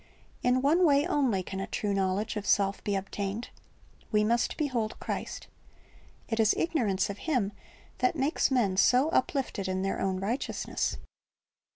In one way only can a true knowledge of self be obtained. We must behold Christ. It is ignorance of Him that makes men so uplifted in their own righteousness.